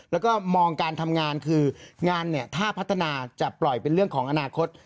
แล้วก็มองการทำงานคืองานเนี่ยถ้าพัฒนาจะปล่อยเป็นเรื่องของอนาคต